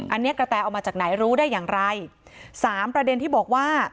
อันนี้กระแตเอามาจากไหนรู้ได้อย่างไรสามประเด็นที่บอกว่า